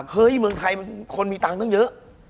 เฮ้ยเมืองไทยคนมีตังค์ตั้งเยอะ